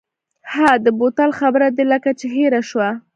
ها د بوتل خبره دې لکه چې هېره شوه.